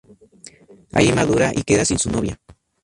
Ahí madura y queda sin su novia.